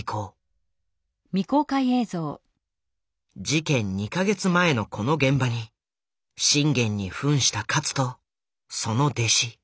事件２か月前のこの現場に信玄に扮した勝とその弟子